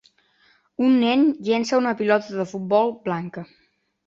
Un nen llença una pilota de futbol blanca.